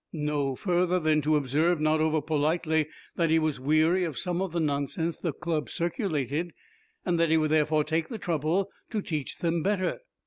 "No further than to observe not over politely that he was weary of some of the nonsense the Club circulated, and that he would therefore take the trouble to teach them better."